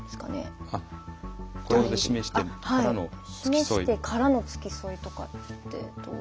示してからの付き添いとかってどう。